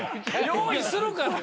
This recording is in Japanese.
用意するから。